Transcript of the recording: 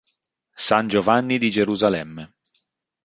San Giovanni di Gerusalemme